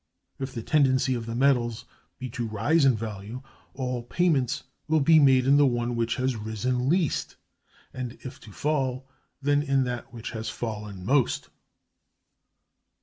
If the tendency of the metals be to rise in value, all payments will be made in the one which has risen least; and, if to fall, then in that which has fallen most.